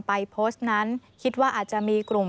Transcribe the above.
โพสต์นั้นคิดว่าอาจจะมีกลุ่ม